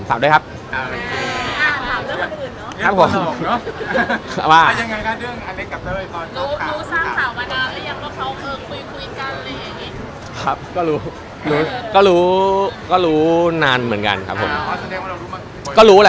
ฝากด้วยครับอ่าถามเรื่องอื่นอื่นเนอะครับผมน่ะ